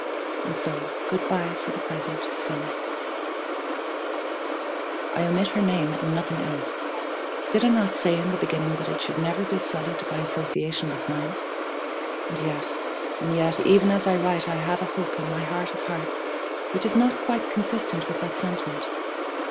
"And so good by for the present from "____" I omit her name and nothing else. Did I not say in the beginning that it should never be sullied by association with mine? And yet and yet even as I write I have a hope in my heart of hearts which is not quite consistent with that sentiment.